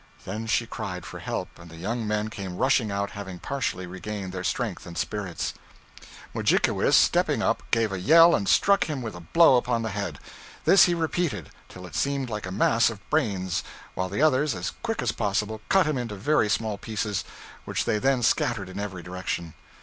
Then she cried for help, and the young men came rushing out, having partially regained their strength and spirits. Mudjikewis, stepping up, gave a yell and struck him a blow upon the head. This he repeated, till it seemed like a mass of brains, while the others, as quick as possible, cut him into very small pieces, which they then scattered in every direction.